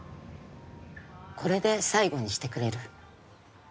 これで最後にしてくれる？